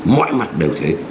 mọi mặt đều thế